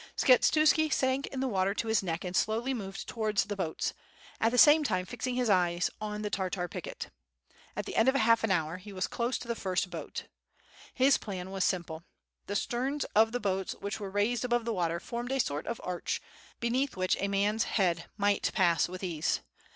Skshetuski sank in the water to his neck and slowly moved towards the boats, at the same time fibcing his eyes on the Tartar picket. At the end of half an hour he was close to the first boat. His plan was simple. The sterns of the boats which were raised above the water, formed a sort of arch, beneath which a man's head might pass with ease.